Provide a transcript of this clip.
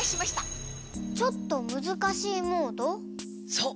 そう！